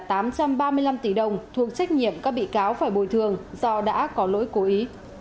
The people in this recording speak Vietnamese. ba mươi năm tỷ đồng thuộc trách nhiệm các bị cáo phải bồi thường do đã có lỗi cô ý